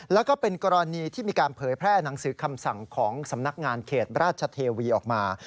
แล้วก็เป็นกรณีที่มีการเผยแพร่หนังสือคำสั่งของสำนักงานเขตราชเทวีออกมา